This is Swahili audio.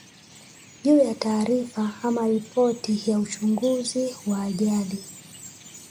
juu ya taarifa ama ripoti ya uchunguzi wa ajali